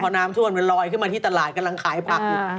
น้ำท่วมมันลอยขึ้นมาที่ตลาดกำลังขายผักอยู่